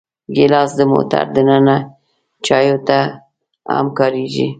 ګیلاس د موټر دننه چایو ته هم کارېږي.